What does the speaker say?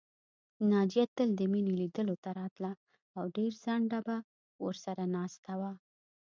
ناجیه تل د مينې لیدلو ته راتله او ډېر ځنډه به ورسره ناسته وه